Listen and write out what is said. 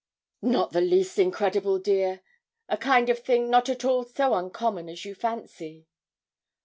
'Not the least incredible, dear a kind of thing not at all so uncommon as you fancy.'